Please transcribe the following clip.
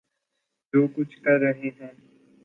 جو کچھ کر رہے ہیں۔